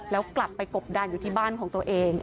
แล้วกลับไปกบดานอยู่ที่บ้านของตัวเอง